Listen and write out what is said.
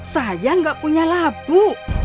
saya gak punya labu